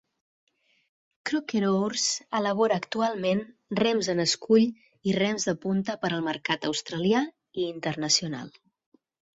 Croker Oars elabora actualment rems en scull i rems de punta per al mercat australià i internacional.